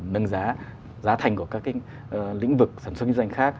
nâng giá giá thành của các cái lĩnh vực sản xuất kinh doanh khác